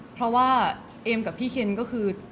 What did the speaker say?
เพราะว่าเอมกับพี่เคนก็คือ